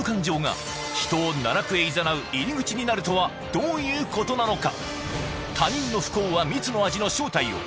どういうことなのか？